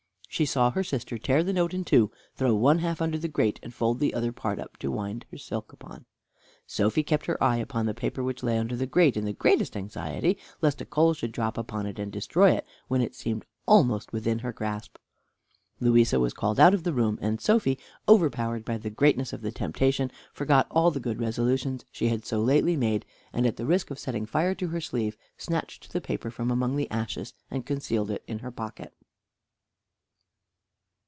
She saw her sister tear the note in two, throw one half under the grate, and fold the other part up to wind her silk upon. Sophy kept her eye upon the paper that lay under the grate in the greatest anxiety, lest a coal should drop upon it and destroy it, when it seemed almost within her grasp. Louisa was called out of the room, and Sophy, overpowered by the greatness of the temptation, forgot all the good resolutions she had so lately made, and at the risk of setting fire to her sleeve, snatched the paper from among the ashes, and concealed it in her pocket.